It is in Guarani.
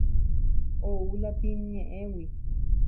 Ou latín ñe'ẽgui.